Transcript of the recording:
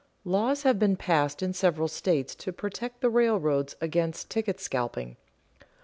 Laws have been passed in several states to protect the railroads against ticket scalping.